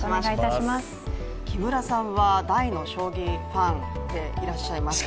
木村さんは大の将棋ファンでいらっしゃいますが。